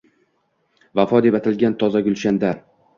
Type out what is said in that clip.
Vafo deb atalgan toza gulshanda